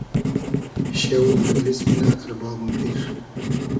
میشیۂ و مئدلیس مونۂ ارباب و میر